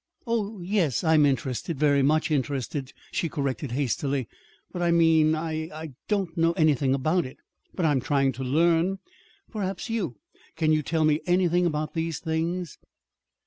"Oh, yes, I'm interested very much interested," she corrected hastily. "But I mean I I don't know anything about it. But I I'm trying to learn. Perhaps you Can you tell me anything about these things?"